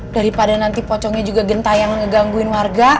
daripada nanti pocongnya juga gentah yang ngegangguin warga